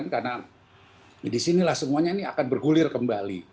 karena di sinilah semuanya ini akan bergulir kembali